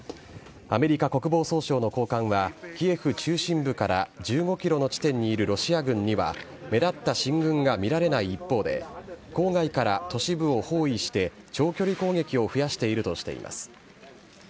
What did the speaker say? アメリカ国防総省の高官は、キエフ中心部から１５キロの地点にいるロシア軍には目立った進軍が見られない一方で、郊外から都市部を包囲して、長距離攻撃を増やしているとしています。